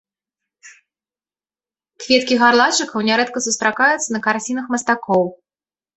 Кветкі гарлачыкаў нярэдка сустракаюцца на карцінах мастакоў.